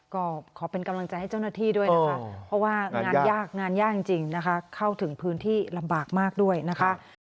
ก็ขอเป็นกำลังใจให้เจ้าหน้าที่ด้วยนะคะเพราะว่างานยากงานยากจริงนะคะเข้าถึงพื้นที่ลำบากมากด้วยนะคะ